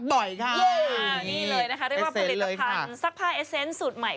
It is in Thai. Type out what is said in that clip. นี่เลยนะคะเรียกว่าผลิตภัณฑ์ซักผ้าเอเซ็นซ์สูตรใหม่